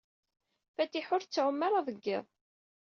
Fatiḥa ur tettɛumu ara deg yiḍ.